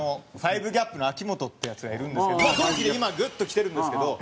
５ＧＡＰの秋本っていうヤツがいるんですけど同期で今グッときてるんですけど。